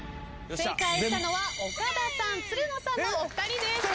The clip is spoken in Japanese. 正解したのは岡田さんつるのさんのお二人です。